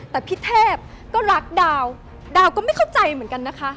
แต่พี่เทพก็รักดาวดาวก็ไม่เข้าใจเหมือนกันนะคะ